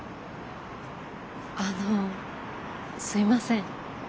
あのすいません。